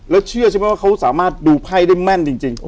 แล้วเชื่อใช่ไหมว่าเขาสามารถดูไพ่ได้แม่นจริง